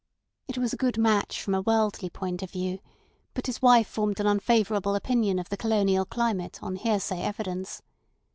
It was a good match from a worldly point of view, but his wife formed an unfavourable opinion of the colonial climate on hearsay evidence.